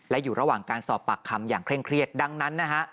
และอยู่ระหว่างการสอบปากคำอย่างเคร่งเครียดดังนั้นนะฮะ